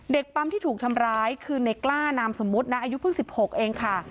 ปั๊มที่ถูกทำร้ายคือในกล้านามสมมุตินะอายุเพิ่ง๑๖เองค่ะ